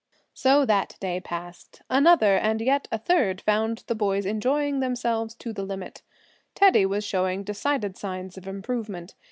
So that day passed. Another, and yet a third found the boys enjoying themselves to the limit. Teddy was showing decided signs of improvement.